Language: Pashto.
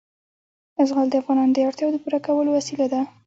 زغال د افغانانو د اړتیاوو د پوره کولو وسیله ده.